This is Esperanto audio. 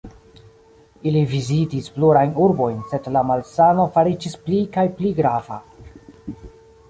Ili vizitis plurajn urbojn, sed la malsano fariĝis pli kaj pli grava.